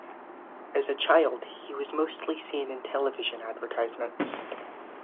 As a child, he was mostly seen in television advertisements.